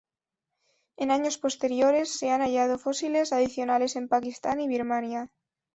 En años posteriores, se han hallado fósiles adicionales en Pakistán y Birmania.